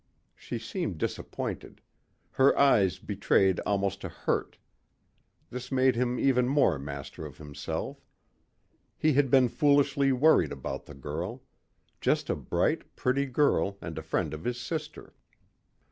She seemed disappointed. Her eyes betrayed almost a hurt. This made him even more master of himself. He had been foolishly worried about the girl. Just a bright, pretty girl and a friend of his sister.